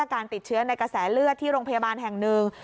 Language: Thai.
การติดเชื้อในกระแสเลือดที่โรงพยาบาลแห่งหนึ่ง